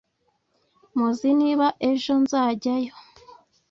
muzi niba ejo nzajyayo